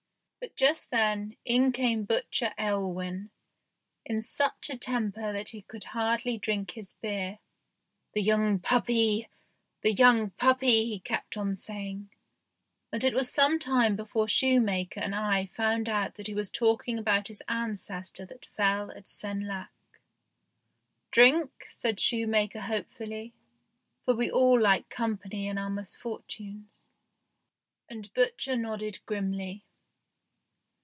But just then in came butcher 10 THE GHOST SHIP Aylwin in such a temper that he could hardly drink his beer. " The young puppy ! the young puppy !" he kept on saying ; and it was some time before shoemaker and I found out that he was talking about his ancestor that fell at Senlac. " Drink ?" said shoemaker hopefully, for we all like company in our misfortunes, and butcher nodded grimly.